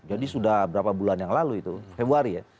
jadi sudah berapa bulan yang lalu itu februari ya